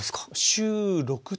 週６とか。